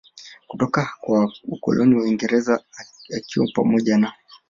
kutoka kwa Ukoloni wa waingereza akiwa pamoja na